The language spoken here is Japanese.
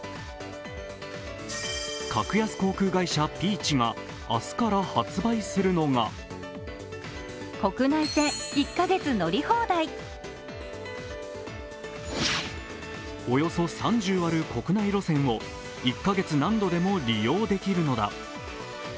格安航空会社ピーチが明日から発売するのがおよそ３０ある国内路線を１カ月何度でも利用できるのだ。